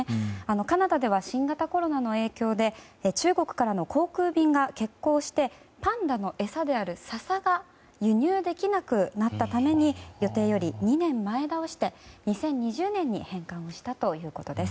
カナダでは、新型コロナの影響で中国からの航空便が欠航して、パンダの餌である笹が輸入できなくなったために予定より２年前倒して２０２０年に返還をしたということです。